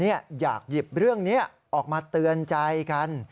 อยากหยิบเรื่องนี้ออกมาเตือนใจกัน